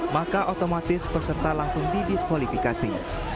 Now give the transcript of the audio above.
maka otomatis peserta langsung didiskualifikasi